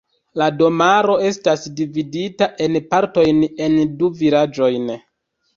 La domaro estas dividita en partojn en du vilaĝojn.